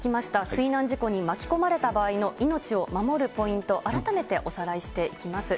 水難事故に巻き込まれた場合の命を守るポイント、改めておさらいしていきます。